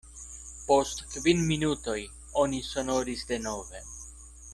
Post kvin minutoj oni sonoris denove.